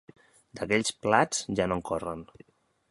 D'aquells plats, ja no en corren.